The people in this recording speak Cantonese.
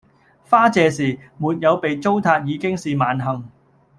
花謝時；沒有被糟蹋已經是萬幸